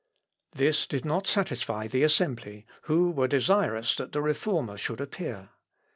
This did not satisfy the assembly, who were desirous that the Reformer should appear.